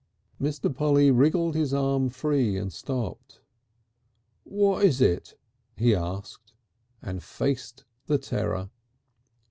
Mr. Polly wriggled his arm free and stopped. "What is it?" he asked, and faced the terror.